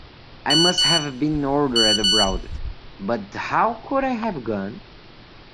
I must have been ordered abroad, but how could I have gone?